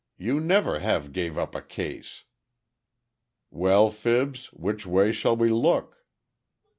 You never have gave up a case." "No. Well, Fibs, which way shall we look?"